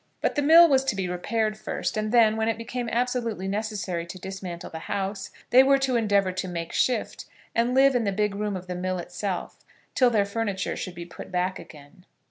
But the mill was to be repaired first, and then, when it became absolutely necessary to dismantle the house, they were to endeavour to make shift, and live in the big room of the mill itself, till their furniture should be put back again.